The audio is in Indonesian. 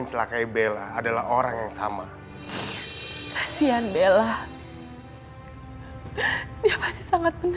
nggak apa apa deh apa apa terima kasih that you had your time